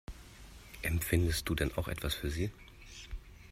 Empfindest du denn auch etwas für sie?